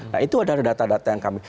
nah itu adalah data data yang kami